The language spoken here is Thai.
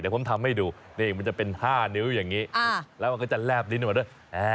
ผมทำให้ดูนี่มันจะเป็น๕นิ้วอย่างนี้แล้วมันก็จะแลบลิ้นออกมาด้วย